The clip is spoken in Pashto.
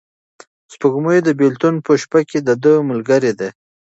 سپوږمۍ د بېلتون په شپه کې د ده ملګرې ده.